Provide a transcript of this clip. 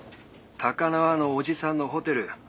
☎高輪のおじさんのホテル